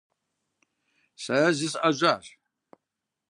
Сэ зысӀэжьащ.